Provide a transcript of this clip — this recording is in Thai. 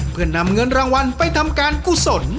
เพื่อนำเงินรางวัลไปทำการกุศล